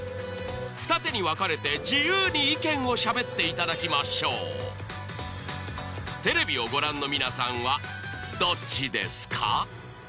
二手に分かれて自由に意見をしゃべっていただきましょうテレビをご覧の皆さんはどっちですか？